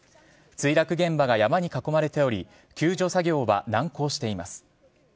墜落現場が山に囲まれており、救助作業は難航しています。